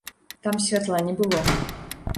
Там святла не было.